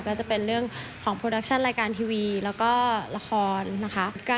ก็จะเป็นเรื่องของโปรดักชั่นรายการทีวีแล้วก็ละครนะคะ